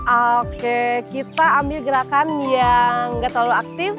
oke kita ambil gerakan yang gak terlalu aktif